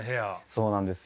そうなんですよ。